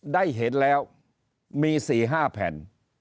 ได้เห็นแล้วมีสี่ห้าแผ่น